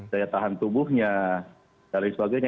daya tahan tubuhnya dan lain sebagainya